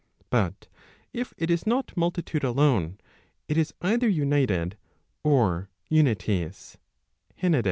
But if it is not multitude alone, it is either united, or unities («w&«r).